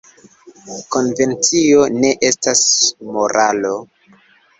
Konvencio ne estas moralo.